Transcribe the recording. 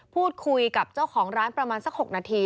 พูดคุยกับเจ้าของร้านประมาณสัก๖นาที